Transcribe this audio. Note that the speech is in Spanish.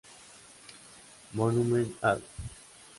Monument Ave.